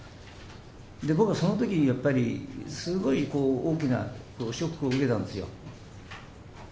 僕はそのときに、やっぱりすごいこう、大きなショックを受けたんですよ。